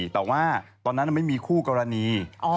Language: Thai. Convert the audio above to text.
แต่ว่าตอนนั้นไม่มีคู่กรณี